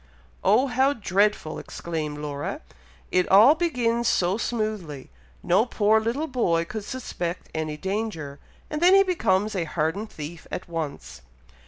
"Oh, how dreadful!" exclaimed Laura. "It all begins so smoothly! No poor little boy could suspect any danger, and then he becomes a hardened thief at once."